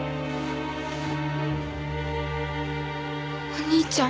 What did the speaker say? お兄ちゃん。